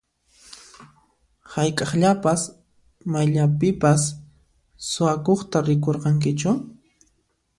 Hayk'aqllapas mayllapipas suwakuqta rikurqankichu?